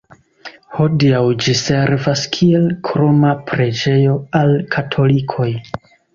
Hodiaŭ ĝi servas kiel kroma preĝejo al katolikoj.